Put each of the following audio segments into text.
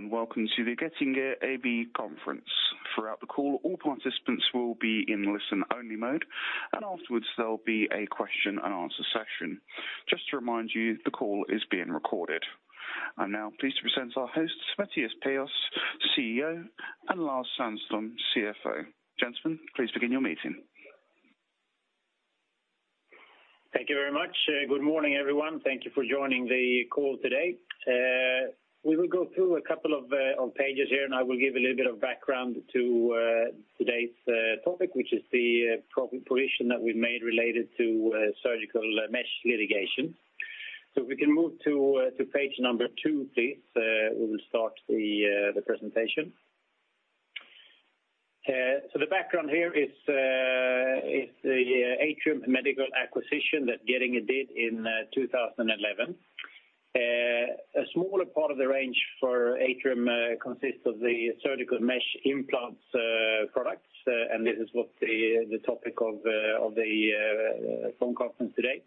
Hello, and welcome to the Getinge AB conference. Throughout the call, all participants will be in listen-only mode, and afterwards, there'll be a question-and-answer session. Just to remind you, the call is being recorded. I'm now pleased to present our hosts, Mattias Perjos, Chief Executive Officer, and Lars Sandström, Chief Financial Officer. Gentlemen, please begin your meeting. Thank you very much. Good morning, everyone. Thank you for joining the call today. We will go through a couple of pages here, and I will give a little bit of background to today's topic, which is the provision that we've made related to surgical mesh litigation. So if we can move to page number two, please, we will start the presentation. So the background here is the Atrium Medical acquisition that Getinge did in 2011. A smaller part of the range for Atrium consists of the surgical mesh implants products, and this is what the topic of the phone conference today.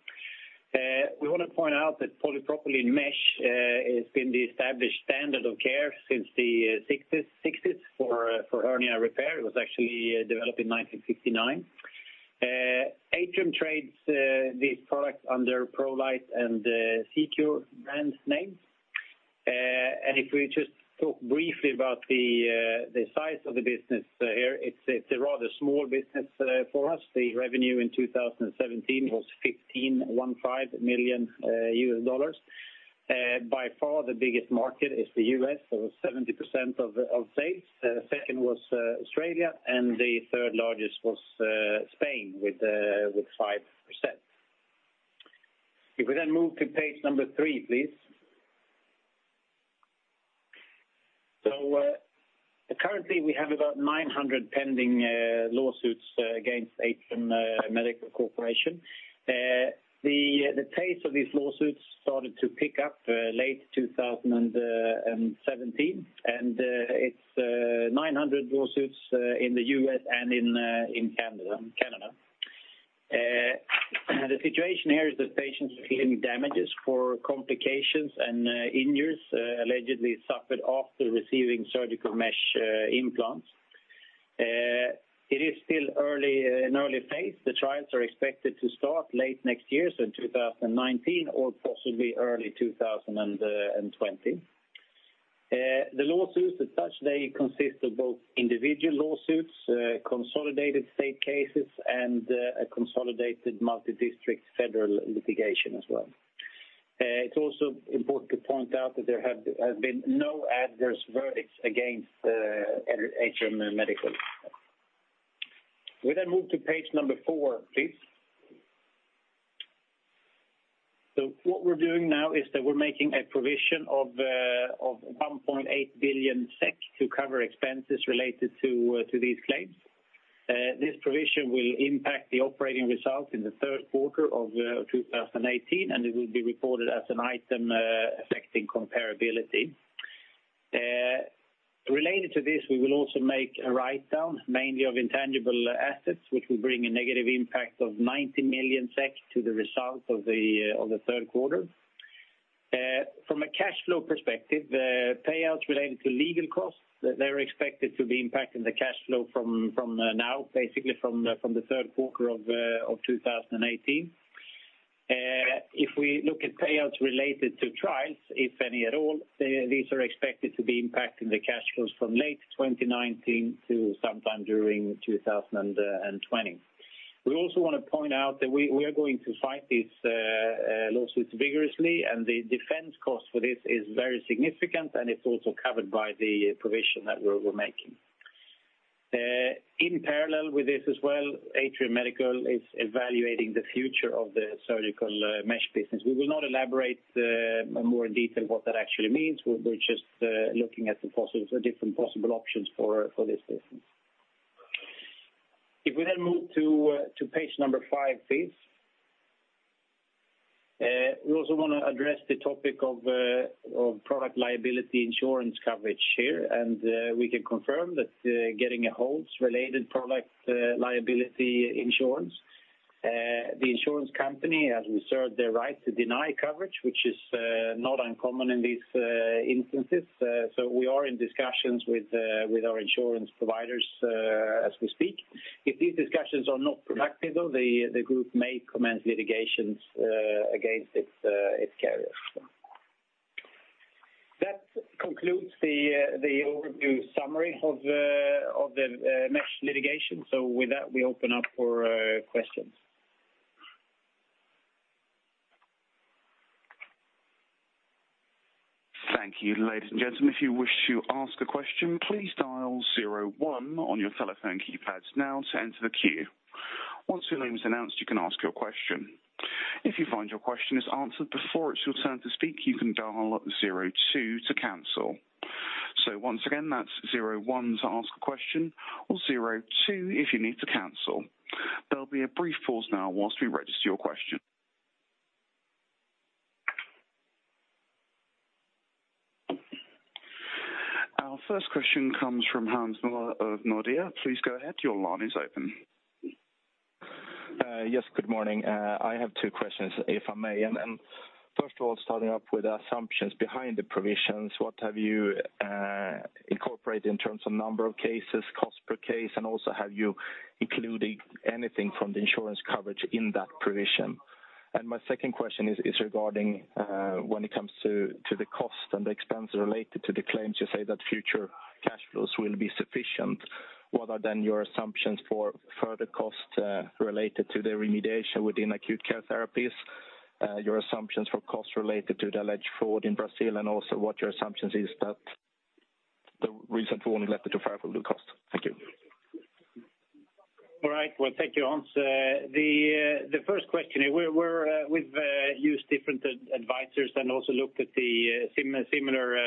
We want to point out that polypropylene mesh has been the established standard of care since the 1960s for hernia repair. It was actually developed in 1969. Atrium trades these products under ProLite and C-QUR brand names. And if we just talk briefly about the size of the business here, it's a rather small business for us. The revenue in 2017 was $15.1 million. By far, the biggest market is the U.S., so 70% of sales. The second was Australia, and the third largest was Spain with 5%. If we then move to page three, please. So, currently, we have about 900 pending lawsuits against Atrium Medical Corporation. The pace of these lawsuits started to pick up late 2017, and it's 900 lawsuits in the U.S. and in Canada. The situation here is that patients are claiming damages for complications and injuries allegedly suffered after receiving surgical mesh implants. It is still an early phase. The trials are expected to start late next year, so in 2019, or possibly early 2020. The lawsuits, as such, consist of both individual lawsuits, consolidated state cases, and a consolidated multi-district federal litigation as well. It's also important to point out that there have been no adverse verdicts against Atrium Medical. We then move to page number four, please. So what we're doing now is that we're making a provision of 1.8 billion SEK to cover expenses related to these claims. This provision will impact the operating results in the third quarter of 2018, and it will be reported as an item affecting comparability. Related to this, we will also make a write-down, mainly of intangible assets, which will bring a negative impact of 90 million SEK to the result of the third quarter. From a cash flow perspective, the payouts related to legal costs, they're expected to be impacting the cash flow from now, basically from the third quarter of 2018. If we look at payouts related to trials, if any at all, these are expected to be impacting the cash flows from late 2019 to sometime during 2020. We also want to point out that we are going to fight these lawsuits vigorously, and the defense cost for this is very significant, and it's also covered by the provision that we're making. In parallel with this as well, Atrium Medical is evaluating the future of the surgical mesh business. We will not elaborate more in detail what that actually means. We're just looking at the possibilities, the different possible options for this business. If we then move to page number five, please. We also want to address the topic of product liability insurance coverage here, and we can confirm that Getinge holds related product liability insurance. The insurance company has reserved the right to deny coverage, which is not uncommon in these instances. So we are in discussions with our insurance providers as we speak. If these discussions are not productive, though, the group may commence litigations against its carriers. That concludes the overview summary of the mesh litigation. So with that, we open up for questions. Thank you. Ladies and gentlemen, if you wish to ask a question, please dial zero one on your telephone keypads now to enter the queue. Once your name is announced, you can ask your question. If you find your question is answered before it's your turn to speak, you can dial zero two to cancel. So once again, that's zero one to ask a question or zero two if you need to cancel. There'll be a brief pause now whilst we register your question. Our first question comes from Hans Mähler of Nordea. Please go ahead. Your line is open. Yes, good morning. I have two questions, if I may. And first of all, starting off with the assumptions behind the provisions, what have you incorporated in terms of number of cases, cost per case, and also have you included anything from the insurance coverage in that provision? And my second question is regarding when it comes to the cost and the expense related to the claims, you say that future cash flows will be sufficient. What are then your assumptions for further costs related to the remediation within Acute Care Therapies, your assumptions for costs related to the alleged fraud in Brazil, and also what your assumptions is that the reason for only left it to fractional cost? Thank you. All right. Well, thank you, Hans. The first question, we're, we've used different advisors and also looked at the similar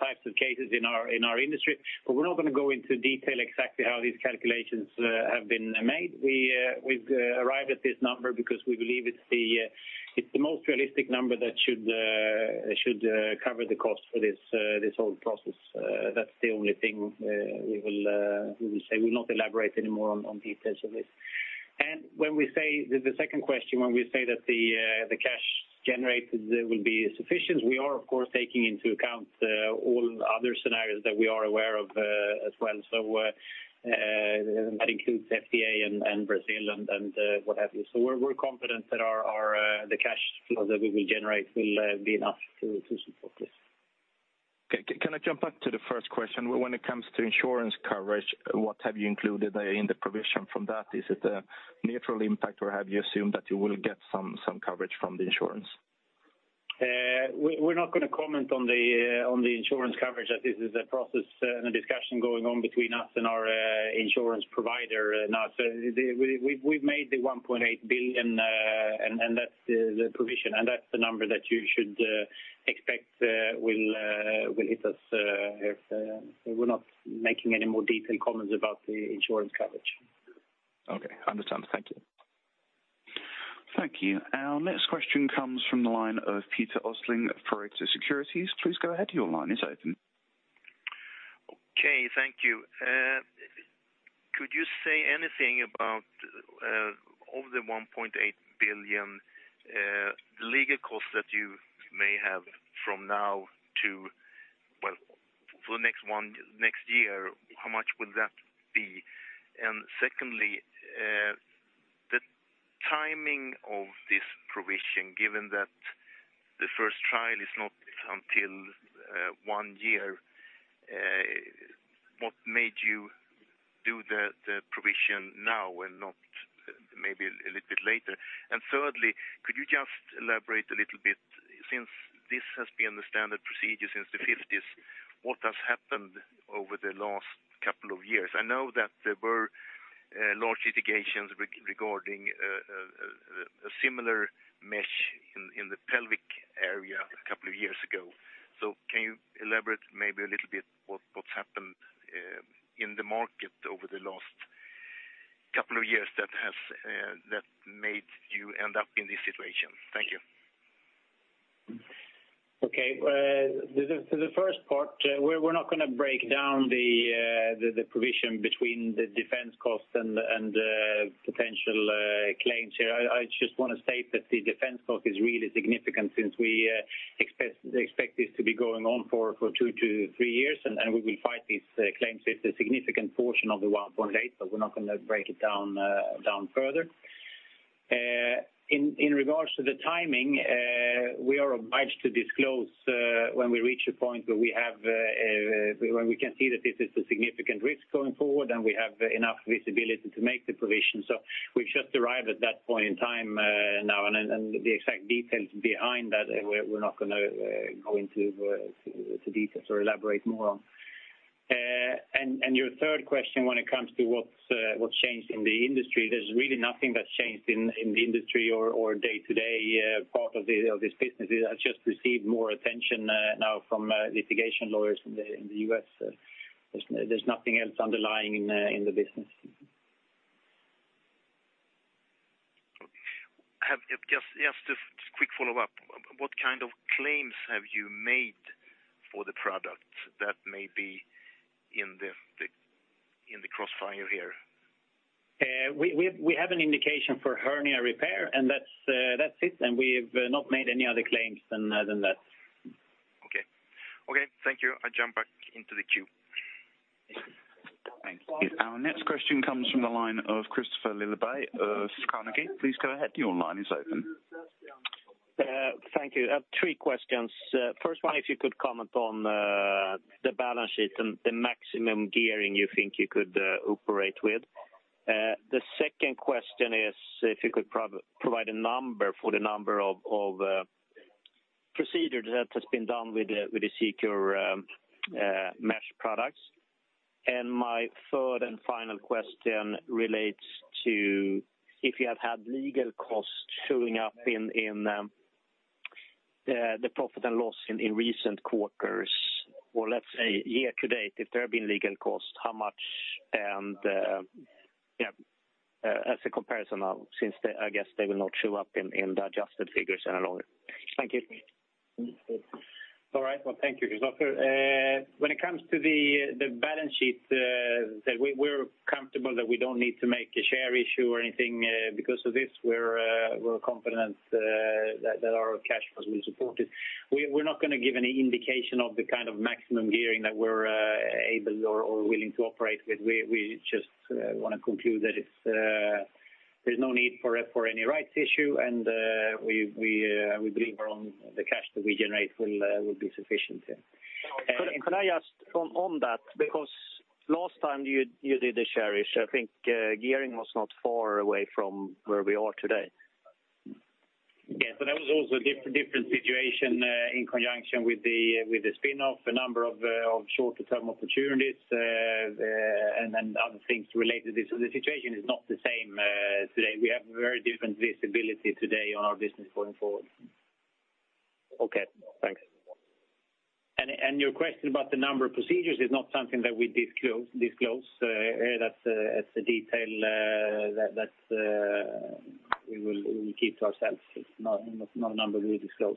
types of cases in our industry, but we're not gonna go into detail exactly how these calculations have been made. We've arrived at this number because we believe it's the most realistic number that should cover the cost for this whole process. That's the only thing we will say. We'll not elaborate anymore on details of it. And when we say the second question, when we say that the cash generated will be sufficient, we are, of course, taking into account all other scenarios that we are aware of as well. So, that includes FDA and Brazil and what have you. So we're confident that our the cash flow that we will generate will be enough to support this. Okay. Can I jump back to the first question? When it comes to insurance coverage, what have you included in the provision from that? Is it a neutral impact, or have you assumed that you will get some coverage from the insurance? We're not gonna comment on the insurance coverage, as this is a process and a discussion going on between us and our insurance provider now. So we've made the 1.8 billion, and that's the provision, and that's the number that you should expect will hit us if. We're not making any more detailed comments about the insurance coverage. Okay. Understand. Thank you. Thank you. Our next question comes from the line of Peter Östling for Pareto Securities. Please go ahead. Your line is open. Okay, thank you. Could you say anything about of the 1.8 billion legal costs that you may have from now to, well, for the next one, next year, how much will that be? And secondly, the timing of this provision, given that the first trial is not until one year, what made you do the provision now and not maybe a little bit later? And thirdly, could you just elaborate a little bit, since this has been the standard procedure since the fifties, what has happened over the last couple of years? I know that there were large litigations regarding a similar mesh in the pelvic area a couple of years ago. Can you elaborate maybe a little bit what’s happened in the market over the last couple of years that has made you end up in this situation? Thank you. Okay. The, the, so the first part, we're not gonna break down the, the provision between the defense costs and, and potential, claims here. I just want to state that the defense cost is really significant since we expect, expect this to be going on for, for two to three years, and, and we will fight these, claims. It's a significant portion of the $1.8 billion, but we're not gonna break it down, down further. In regards to the timing, we are obliged to disclose when we reach a point where we have, when we can see that this is a significant risk going forward, and we have enough visibility to make the provision. So we've just arrived at that point in time now, and the exact details behind that, we're not gonna go into the details or elaborate more on. And your third question, when it comes to what's changed in the industry, there's really nothing that's changed in the industry or day-to-day part of this business. It has just received more attention now from litigation lawyers in the U.S. There's nothing else underlying in the business. Okay. Just a quick follow-up. What kind of claims have you made for the products that may be in the crossfire here? We have an indication for hernia repair, and that's it, and we've not made any other claims than that. Okay. Okay, thank you. I jump back into the queue. Thank you. Our next question comes from the line of Kristofer Liljeberg of Carnegie. Please go ahead. Your line is open. Thank you. I have three questions. First one, if you could comment on the balance sheet and the maximum gearing you think you could operate with. The second question is if you could provide a number for the number of procedures that has been done with the C-QUR mesh products. And my third and final question relates to if you have had legal costs showing up in the profit and loss in recent quarters, or let's say year to date, if there have been legal costs, how much? As a comparison now, since they, I guess they will not show up in the adjusted figures any longer. Thank you. All right. Well, thank you, Kristofer. When it comes to the balance sheet, that we're comfortable that we don't need to make a share issue or anything because of this. We're confident that our cash flow is supported. We're not gonna give any indication of the kind of maximum gearing that we're able or willing to operate with. We just wanna conclude that there's no need for any rights issue, and we believe our own the cash that we generate will be sufficient, yeah. Can I just on that, because last time you did a share issue, I think, gearing was not far away from where we are today. Yes, but that was also a different situation in conjunction with the, with the spin-off, a number of shorter-term opportunities, and then other things related to this. So the situation is not the same today. We have very different visibility today on our business going forward. Okay, thanks. And your question about the number of procedures is not something that we disclose. That's a detail that we will keep to ourselves. It's not a number we disclose.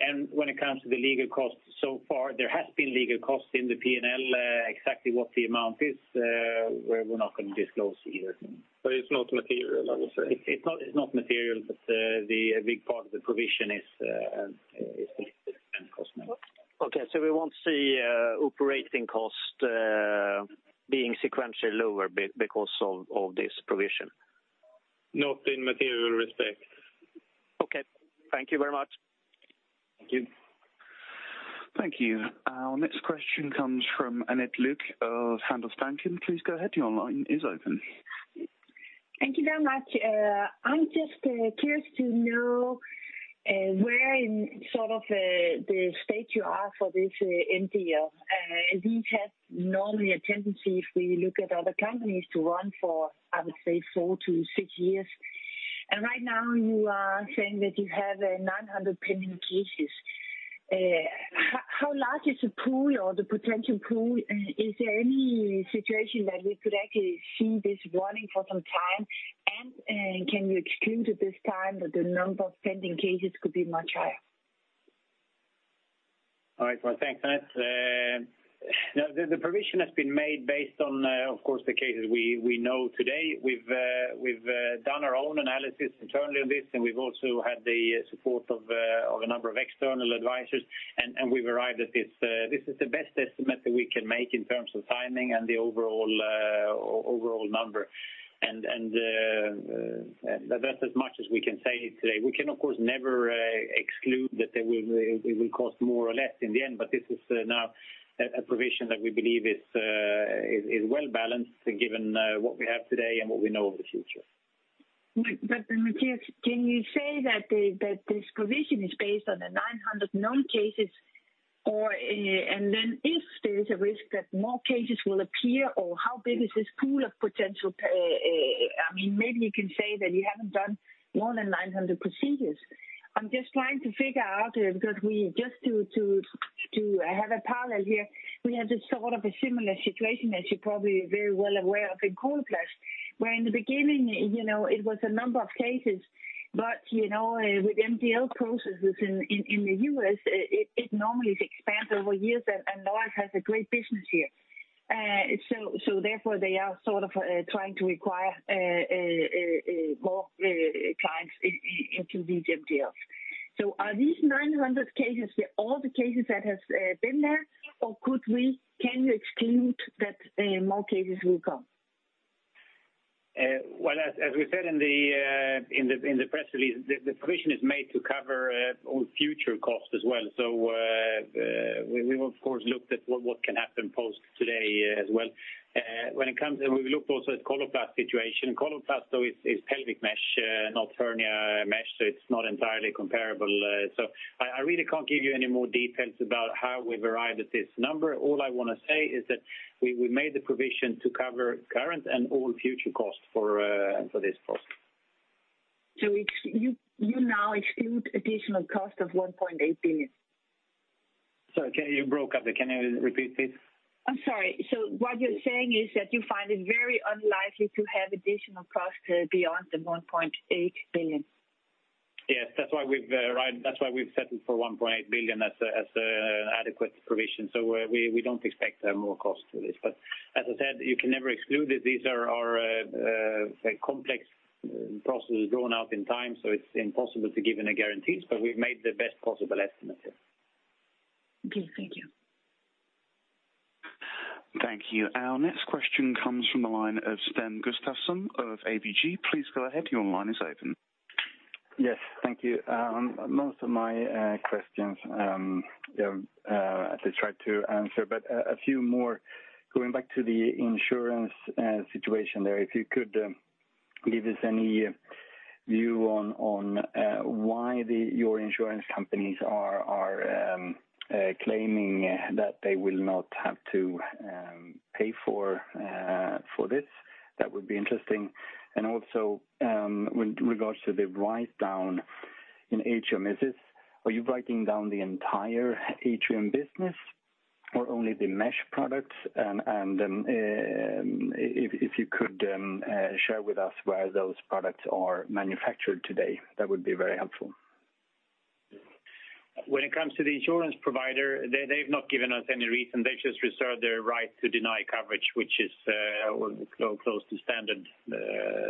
And when it comes to the legal costs, so far, there has been legal costs in the P&L. Exactly what the amount is, we're not gonna disclose either. But it's not material, I would say. It's not, it's not material, but a big part of the provision is legal and cost money. Okay, so we won't see operating costs being sequentially lower because of this provision? Not in material respect. Okay. Thank you very much. Thank you. Thank you. Our next question comes from Annette Lykke of Handelsbanken. Please go ahead. Your line is open. Thank you very much. I'm just curious to know where in sort of the state you are for this MDL? These have normally a tendency, if we look at other companies, to run for, I would say, four to six years. And right now you are saying that you have 900 pending cases. How large is the pool or the potential pool? Is there any situation that we could actually see this running for some time? And can you exclude at this time that the number of pending cases could be much higher? All right. Well, thanks, Annette. Now, the provision has been made based on, of course, the cases we know today. We've done our own analysis internally on this, and we've also had the support of a number of external advisors, and we've arrived at this. This is the best estimate that we can make in terms of timing and the overall number. And that's as much as we can say today. We can, of course, never exclude that there will, it will cost more or less in the end, but this is now a provision that we believe is well balanced, given what we have today and what we know of the future. But Mattias, can you say that this provision is based on the 900 known cases, or and then if there is a risk that more cases will appear, or how big is this pool of potential... I mean, maybe you can say that you haven't done more than 900 procedures. I'm just trying to figure out, because we just to have a parallel here, we had a sort of a similar situation that you're probably very well aware of in Coloplast. Where in the beginning, you know, it was a number of cases, but you know with MDL processes in the U.S., it normally expands over years, and Nordea has a great business here. Therefore, they are sort of trying to acquire more clients into the MDLs. Are these 900 cases all the cases that has been there, or can you exclude that more cases will come? Well, as we said in the press release, the provision is made to cover all future costs as well. So, we of course looked at what can happen post today as well. When it comes... And we've looked also at the Coloplast situation. Coloplast though is Pelvic Mesh, not hernia mesh, so it's not entirely comparable. So, I really can't give you any more details about how we've arrived at this number. All I want to say is that we made the provision to cover current and all future costs for this cost. So you now exclude additional cost of 1.8 billion? Sorry, you broke up there. Can you repeat, please? I'm sorry. So what you're saying is that you find it very unlikely to have additional costs beyond the 1.8 billion? Yes, that's why we've settled for 1.8 billion as an adequate provision. So we don't expect more cost to this. But as I said, you can never exclude it. These are complex processes drawn out in time, so it's impossible to give any guarantees, but we've made the best possible estimate here. Okay, thank you. Thank you. Our next question comes from the line of Sten Gustafsson of ABG. Please go ahead. Your line is open. Yes, thank you. Most of my questions, you have at least tried to answer, but a few more. Going back to the insurance situation there, if you could give us any view on why the—your insurance companies are claiming that they will not have to pay for this, that would be interesting. And also, with regards to the write-down in Atrium, is this... Are you writing down the entire Atrium business?... or only the mesh products? And, if you could share with us where those products are manufactured today, that would be very helpful. When it comes to the insurance provider, they, they've not given us any reason. They just reserved their right to deny coverage, which is close to standard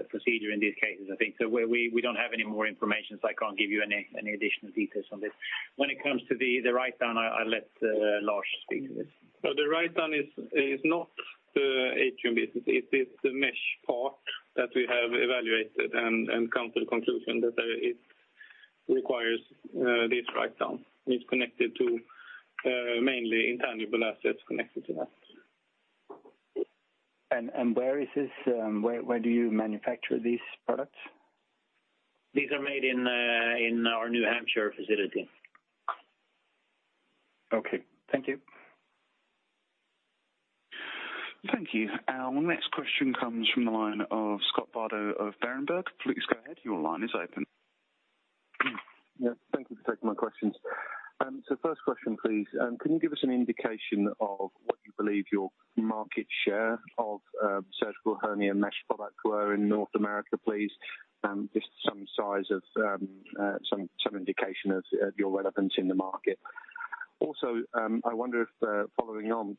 procedure in these cases, I think. So we don't have any more information, so I can't give you any additional details on this. When it comes to the write-down, I'll let Lars speak to this. So the write-down is not the Atrium business; it is the mesh part that we have evaluated and come to the conclusion that it requires this write-down and is connected to mainly intangible assets connected to that. Where is this, where do you manufacture these products? These are made in our New Hampshire facility. Okay, thank you. Thank you. Our next question comes from the line of Scott Bardo of Berenberg. Please go ahead, your line is open. Yes, thank you for taking my questions. So first question, please. Can you give us an indication of what you believe your market share of surgical hernia mesh products were in North America, please? Just some size of some indication of your relevance in the market. Also, I wonder if following on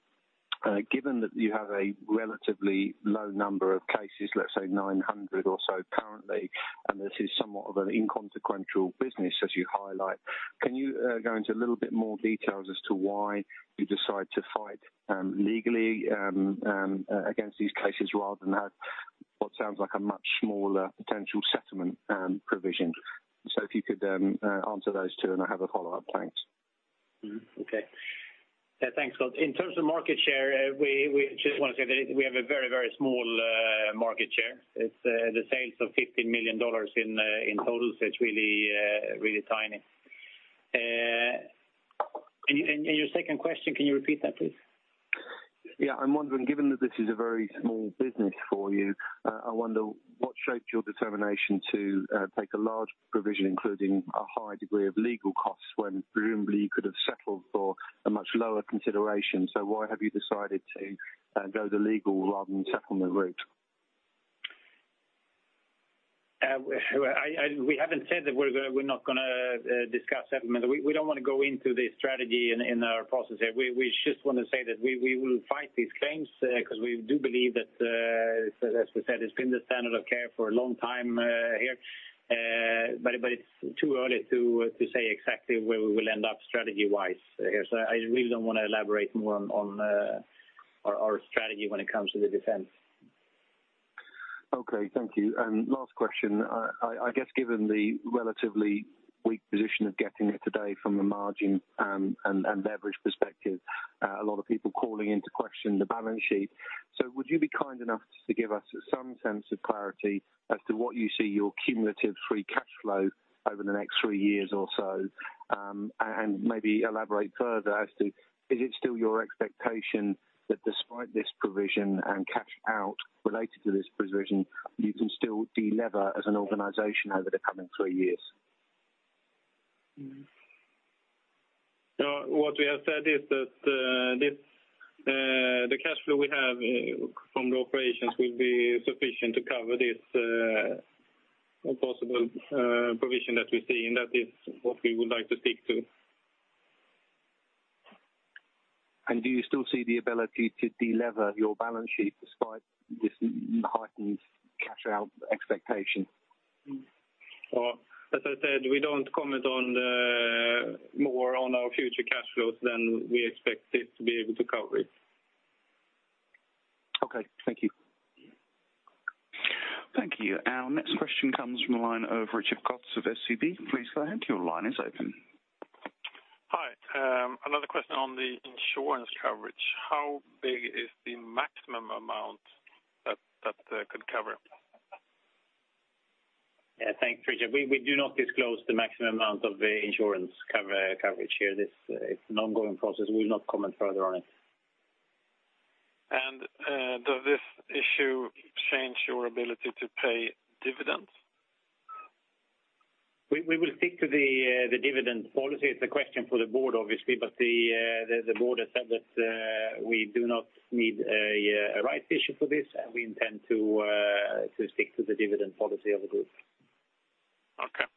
given that you have a relatively low number of cases, let's say 900 or so currently, and this is somewhat of an inconsequential business as you highlight, can you go into a little bit more details as to why you decide to fight legally against these cases, rather than have what sounds like a much smaller potential settlement provision? So if you could answer those two, and I have a follow-up. Thanks. Okay. Yeah, thanks, Scott. In terms of market share, we just want to say that we have a very, very small market share. It's the sales of $50 million in total, so it's really tiny. And your second question, can you repeat that, please? Yeah. I'm wondering, given that this is a very small business for you, I wonder what shaped your determination to take a large provision, including a high degree of legal costs, when presumably you could have settled for a much lower consideration? Why have you decided to go the legal rather than settlement route? Well, we haven't said that we're not gonna discuss settlement. We don't want to go into the strategy in our process here. We just want to say that we will fight these claims, 'cause we do believe that, as we said, it's been the standard of care for a long time here. But it's too early to say exactly where we will end up strategy-wise here. So I really don't want to elaborate more on our strategy when it comes to the defense. Okay, thank you. And last question. I guess given the relatively weak position of Getinge today from a margin and leverage perspective, a lot of people calling into question the balance sheet. So would you be kind enough to give us some sense of clarity as to what you see your cumulative free cashflow over the next three years or so? And maybe elaborate further as to, is it still your expectation that despite this provision and cash out related to this provision, you can still de-lever as an organization over the coming three years? What we have said is that this, the cashflow we have from the operations will be sufficient to cover this possible provision that we see, and that is what we would like to stick to. Do you still see the ability to de-lever your balance sheet despite this heightened cash-out expectation? Well, as I said, we don't comment on more on our future cash flows than we expect it to be able to cover it. Okay. Thank you. Thank you. Our next question comes from the line of Rickard Kotz of SEB. Please go ahead, your line is open. Hi. Another question on the insurance coverage. How big is the maximum amount that could cover? Yeah, thanks, Rickard. We do not disclose the maximum amount of the insurance coverage here. This is an ongoing process. We will not comment further on it. Does this issue change your ability to pay dividends? We will stick to the dividend policy. It's a question for the board, obviously, but the board has said that we do not need a rights issue for this, and we intend to stick to the dividend policy of the group. Okay.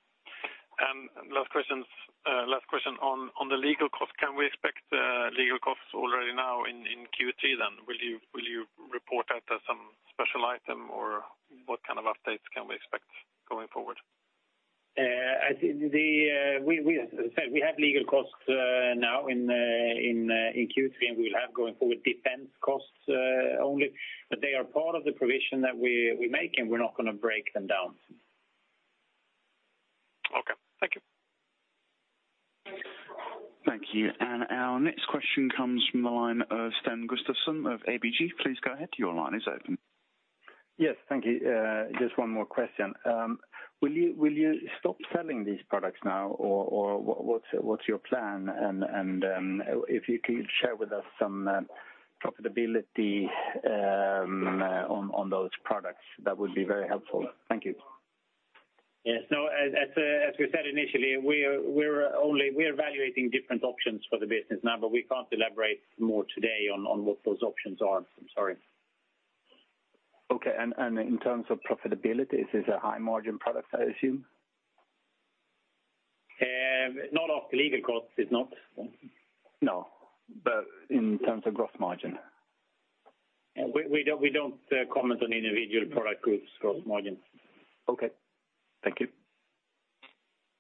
And last questions, last question on, on the legal costs. Can we expect, legal costs already now in, in Q3, then? Will you, will you report that as some special item, or what kind of updates can we expect going forward? As I said, we have legal costs now in Q3, and we will have going forward, defense costs only. But they are part of the provision that we make, and we're not gonna break them down. Okay, thank you. Thank you. And our next question comes from the line of Sten Gustafsson of ABG. Please go ahead, your line is open. Yes. Thank you. Just one more question. Will you, will you stop selling these products now, or, or what, what's, what's your plan? And, and, if you can share with us some profitability, on, on those products, that would be very helpful. Thank you. Yes, no, as we said initially, we're only evaluating different options for the business now, but we can't elaborate more today on what those options are. I'm sorry. Okay. And in terms of profitability, this is a high margin product, I assume? Not after legal costs, it's not. No, but in terms of gross margin. Yeah, we don't, we don't comment on individual product groups' gross margin. Okay. Thank you.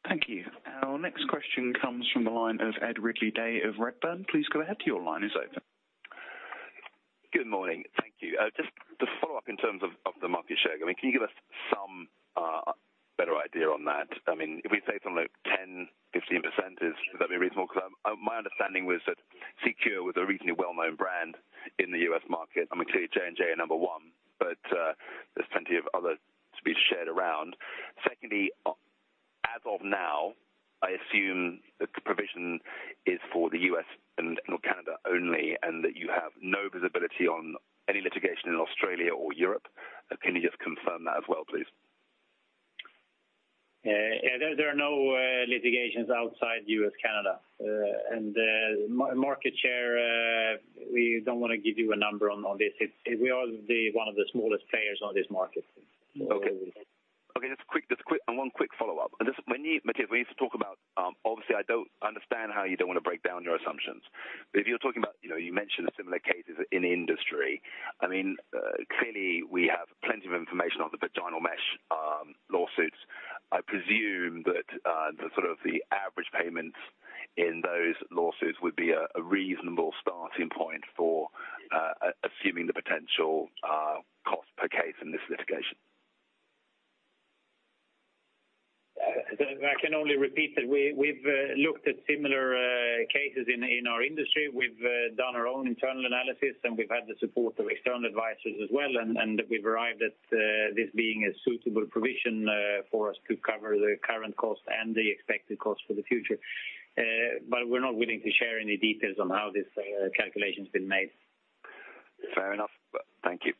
Thank you. Our next question comes from the line of Ed Ridley-Day of Redburn. Please go ahead, your line is open. Good morning. Thank you. Just to follow up in terms of the market share, I mean, can you give us some better idea on that? I mean, if we say something like 10, 15%, would that be reasonable? 'Cause my understanding was that Secure was a reasonably well-known brand in the U.S. market. I mean, clearly, J&J are number one, but there's plenty of others to be shared around. Secondly, as of now, I assume the provision is for the U.S. and Canada only, and that you have no visibility on any litigation in Australia or Europe. Can you just confirm that as well, please? Yeah, there are no litigations outside U.S., Canada. And market share, we don't wanna give you a number on this. It's -- we are one of the smallest players on this market. Okay. Okay, just quick, just quick, and one quick follow-up, and this, when you, Mattias, when you talk about... Obviously, I don't understand how you don't want to break down your assumptions. But if you're talking about, you know, you mentioned similar cases in the industry, I mean, clearly we have plenty of information on the vaginal mesh lawsuits. I presume that the sort of the average payments in those lawsuits would be a reasonable starting point for assuming the potential cost per case in this litigation. I can only repeat that we've looked at similar cases in our industry. We've done our own internal analysis, and we've had the support of external advisors as well, and we've arrived at this being a suitable provision for us to cover the current cost and the expected cost for the future. But we're not willing to share any details on how this calculation's been made. Fair enough. Thank you.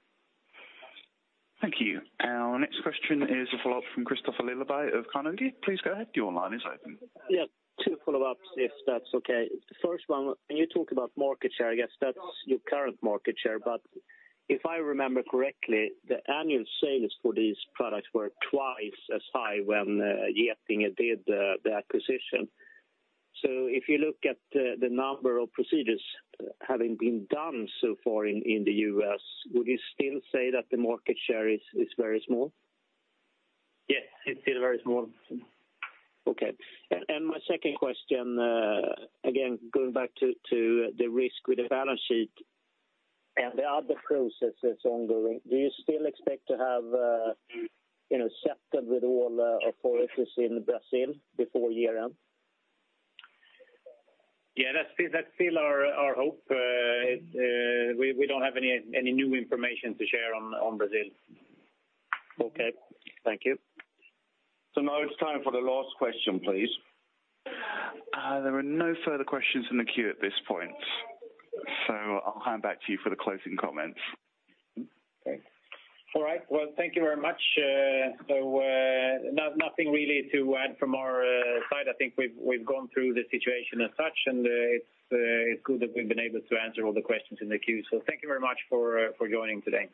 Thank you. Our next question is a follow-up from Kristofer Liljeberg of Carnegie. Please go ahead, your line is open. Yeah, two follow-ups, if that's okay. The first one, when you talk about market share, I guess that's your current market share. But if I remember correctly, the annual sales for these products were twice as high when Getinge did the acquisition. So if you look at the number of procedures having been done so far in the U.S., would you still say that the market share is very small? Yes, it's still very small. Okay. My second question, again, going back to the risk with the balance sheet and the other processes ongoing, do you still expect to have, you know, settled with all authorities in Brazil before year-end? Yeah, that's still our hope. We don't have any new information to share on Brazil. Okay. Thank you. So now it's time for the last question, please. There are no further questions in the queue at this point, so I'll hand back to you for the closing comments. Great. All right. Well, thank you very much. So, nothing really to add from our side. I think we've gone through the situation as such, and it's good that we've been able to answer all the questions in the queue. So thank you very much for joining today.